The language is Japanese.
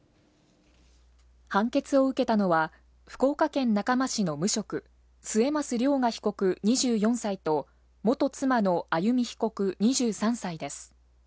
判決を受けたのは、福岡県中間市の無職、末益涼雅被告２４歳と、元妻の歩被告２３歳です。